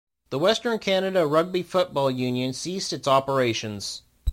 The Western Canada Rugby Football Union ceased its operations.